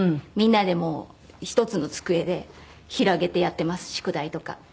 みんなで１つの机で広げてやってます宿題とか。